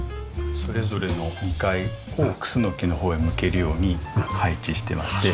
それぞれの２階がクスノキの方へ向けるように配置してまして。